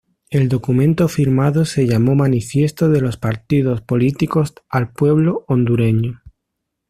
El documento firmado se llamó Manifiesto de los Partidos Políticos al Pueblo Hondureño.